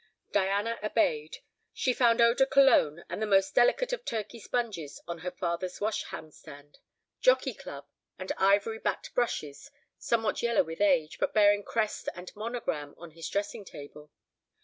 Diana obeyed. She found eau de cologne and the most delicate of Turkey sponges on her father's wash handstand; jockey club, and ivory backed brushes, somewhat yellow with age, but bearing crest and monogram, on his dressing table.